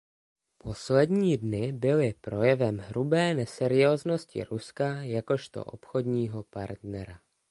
Poslední dny byly projevem hrubé neserióznosti Ruska jakožto obchodního partnera.